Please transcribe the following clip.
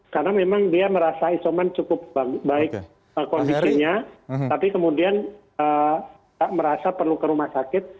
karena memang dia merasa isoman cukup baik kondisinya tapi kemudian tak merasa perlu ke rumah sakit